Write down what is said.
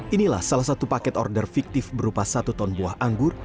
inilah salah satu paket order fiktif berupa satu ton buah anggur